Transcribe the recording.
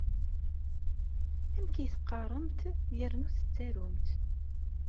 Amek ay teqqaremt yernu tettarumt?